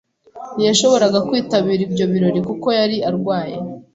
Ntiyashoboraga kwitabira ibyo birori kuko yari arwaye.